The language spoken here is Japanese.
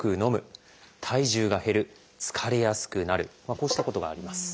こうしたことがあります。